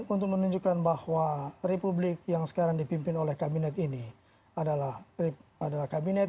untuk menunjukkan bahwa republik yang sekarang dipimpin oleh kabinet ini adalah pada kabinet